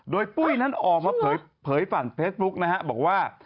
โดยปุ้ยนั้นออกมาเผยผ่านเฟซบุ๊กนะฮะบอกว่า